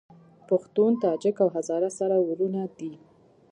پښتون، تاجک او هزاره سره وروڼه دي